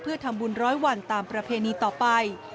เพื่อทำบุญร้อยวันตามประเพณีต่อไป